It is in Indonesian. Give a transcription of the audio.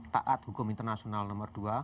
taat hukum internasional nomor dua